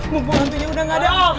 mumpung hantunya udah gak ada